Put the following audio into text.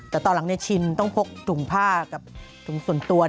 แต่ตอนหลังชินต้องพกถุงผ้ากับถุงส่วนตัว